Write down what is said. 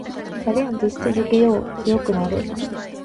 チャレンジし続けよう。強くなる。